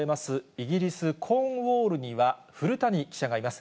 イギリス・コーンウォールには古谷記者がいます。